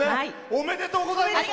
おめでとうございます。